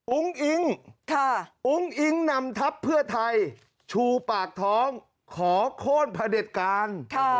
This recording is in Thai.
อิงอุ้งอิ๊งนำทัพเพื่อไทยชูปากท้องขอโค้นพระเด็จการ